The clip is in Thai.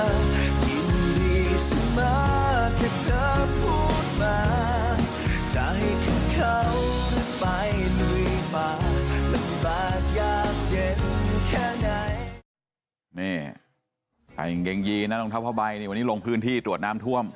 นี่ใส่กางเกงยีนนะรองเท้าผ้าใบนี่วันนี้ลงพื้นที่ตรวจน้ำท่วม